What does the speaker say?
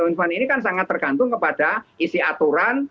law enforcement ini kan sangat tergantung kepada isi aturan